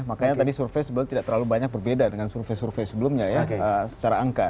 makanya tadi survei sebenarnya tidak terlalu banyak berbeda dengan survei survei sebelumnya ya secara angka